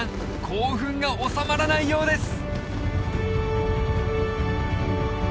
興奮が収まらないようです